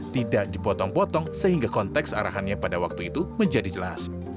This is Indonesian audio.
tidak dipotong potong sehingga konteks arahannya pada waktu itu menjadi jelas